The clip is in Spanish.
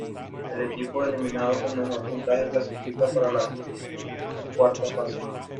El equipo eliminado con mejor puntaje clasifica para la cuarta fase.